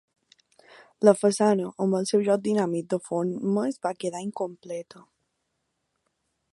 La façana, amb el seu joc dinàmic de formes, va quedar incompleta.